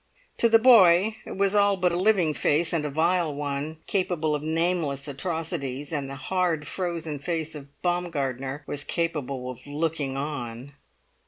To the boy it was all but a living face, and a vile one, capable of nameless atrocities; and the hard frozen face of Baumgartner was capable of looking on.